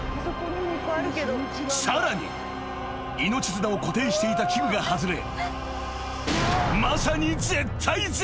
［さらに命綱を固定していた器具が外れまさに］